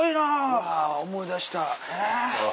うわ思い出した。